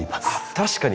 確かに。